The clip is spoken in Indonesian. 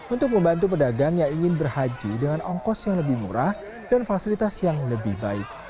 untuk membantu pedagang yang ingin berhaji dengan ongkos yang lebih murah dan fasilitas yang lebih baik